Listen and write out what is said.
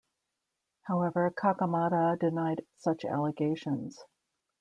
However, Khakamada denied such allegations.